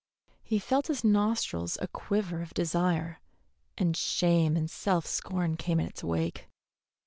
He felt in his nostrils a quiver of desire, and shame and self scorn came in its wake.